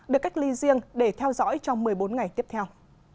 được cách ly riêng để theo dõi trong một mươi bốn ngày tiếp theo